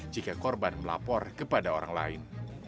jika korban melapor kepada orang lain